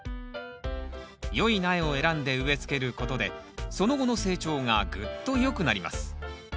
良い苗を選んで植えつけることでその後の成長がぐっと良くなります。